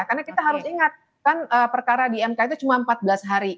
karena kita harus ingat kan perkara di mk itu cuma empat belas hari